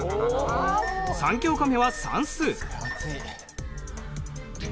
３教科目は算数。